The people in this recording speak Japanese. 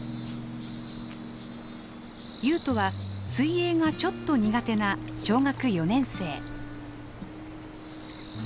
ユウトは水泳がちょっと苦手な小学４年生。